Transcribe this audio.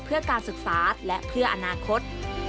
เพื่อการศึกษาและเพื่ออนาคต